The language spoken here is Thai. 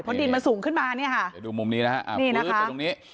เพราะดินมันสูงขึ้นมาเนี้ยค่ะเดี๋ยวดูมุมนี้นะคะนี่นะคะแต่ตรงนี้